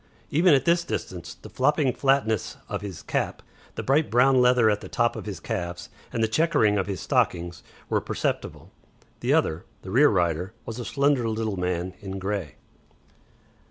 Even at this distance the flopping flatness of his cap, the bright brown leather at the top of his calves, and the chequering of his stockings were perceptible. The other, the rear rider, was a slender little man in grey.